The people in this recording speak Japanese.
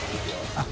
あっ。